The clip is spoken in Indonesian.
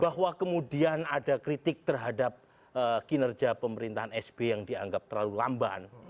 bahwa kemudian ada kritik terhadap kinerja pemerintahan sby yang dianggap terlalu lamban